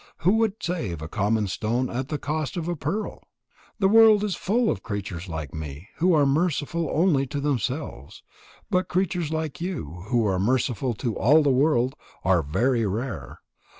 Who would save a common stone at the cost of a pearl? The world is full of creatures like me, who are merciful only to themselves. But creatures like you, who are merciful to all the world, are very rare.